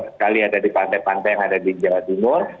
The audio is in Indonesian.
sekali ada di pantai pantai yang ada di jawa timur